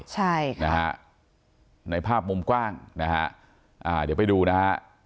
ใช่นะฮะในภาพมุมกว้างนะฮะอ่าเดี๋ยวไปดูนะฮะ